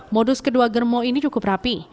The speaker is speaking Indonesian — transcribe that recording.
modus kedua germo ini cukup rapi